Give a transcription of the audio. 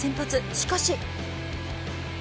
しかし。